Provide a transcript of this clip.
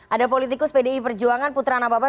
ada politikus pdi perjuangan putra nababan